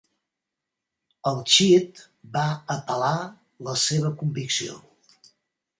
El Chit va apel·lar la seva convicció.